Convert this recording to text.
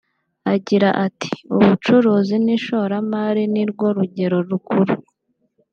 Agira ati “Ubucuruzi n’Ishoramari ni rwo rugero rukuru